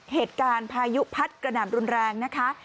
เหตุการณ์พายุพัดกระหน่ำรุนแรงนะคะ